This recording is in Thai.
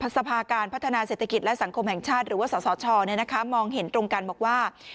สภาการพัฒนาเศรษฐกิจและสังคมแห่งชาติหรือว่าสสชมองเห็นตรงกันบอกว่า